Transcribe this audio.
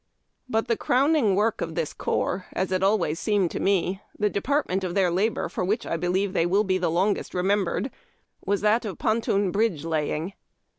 But the crown ing work of this corps, as it always seemed to me, tlie department of their labor for which, I believe, they will be the longest remembered, was that of ponton bridge laying.